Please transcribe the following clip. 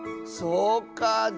そうかあ。